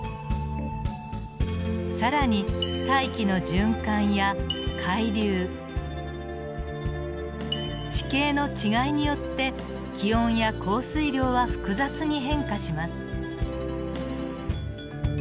更に大気の循環や海流地形の違いによって気温や降水量は複雑に変化します。